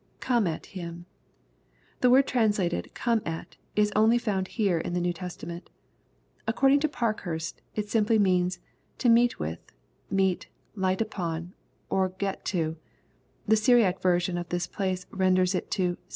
[Come at htm.] The word translated "come at," is only found here in the New Testament According to Parkhurst, it simply meansj " to meet with, meet, light upon, or get to*'' The Syriac version of this place, renders it to " speak with."